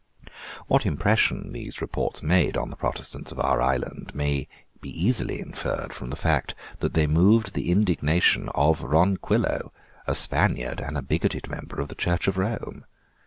What impression these reports made on the Protestants of our island may be easily inferred from the fact that they moved the indignation of Ronquillo, a Spaniard and a bigoted member of the Church of Rome.